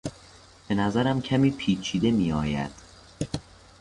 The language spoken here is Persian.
به نظرم کمی پیچیده میآید.